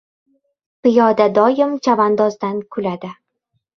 • Piyoda doim chavandozdan kuladi.